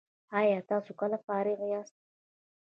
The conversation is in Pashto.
ایا تاسو کله فارغ یاست؟